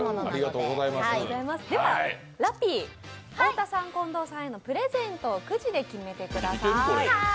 では、ラッピー太田さん、近藤さんへのプレゼントをくじで選んでください。